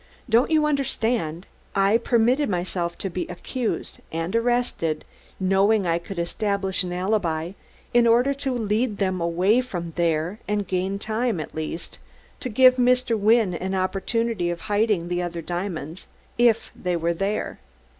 Don't you understand? I permitted myself to be accused and arrested, knowing I could establish an alibi, in order to lead them away from there and gain time, at least, to give Mr. Wynne an opportunity of hiding the other diamonds, if they were there.